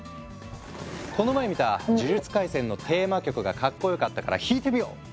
この前見た「呪術廻戦」のテーマ曲がかっこよかったから弾いてみよう！